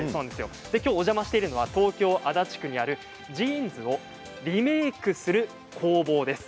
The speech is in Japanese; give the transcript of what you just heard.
きょうお邪魔しているのは東京・足立区にあるジーンズをリメークする工房です。